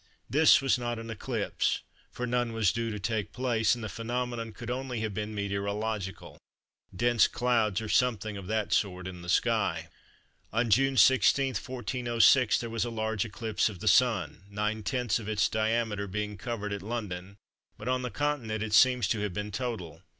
This was not an eclipse, for none was due to take place; and the phenomenon could only have been meteorological—dense clouds or something of that sort in the sky. On June 16, 1406, there was a large eclipse of the Sun, 9/10ths of its diameter being covered at London; but on the Continent it seems to have been total.